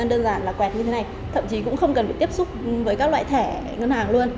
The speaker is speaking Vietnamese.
đơn giản là quẹt như thế này thậm chí cũng không cần phải tiếp xúc với các loại thẻ ngân hàng luôn